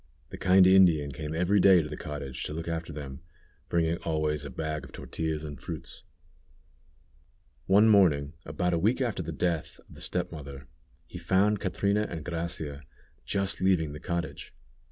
The kind Indian came every day to the cottage to look after them, bringing always a bag of tortillas and fruits. One morning, about a week after the death of the step mother, he found Catrina and Gracia just leaving the cottage.